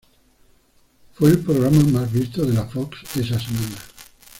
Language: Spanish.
Fue el programa más visto de la Fox esa semana.